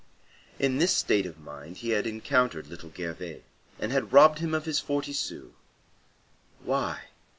In this state of mind he had encountered little Gervais, and had robbed him of his forty sous. Why?